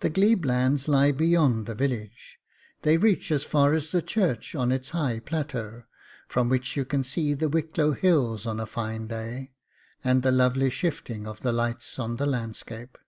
The glebe lands lie beyond the village. They reach as far as the church on its high plateau, from which you can see the Wicklow Hills on a fine day, and the lovely shifting of the lights of the landscape.